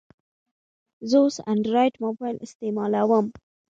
زه اوس انډرایډ موبایل استعمالوم.